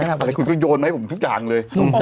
มันอย่างนั้นคุณโยนไหมผมทุกอย่างเลย